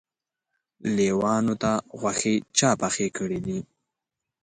لېوانو ته غوښې چا پخې کړی دي.